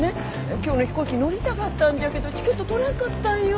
今日の飛行機に乗りたかったんじゃけどチケット取れんかったんよ。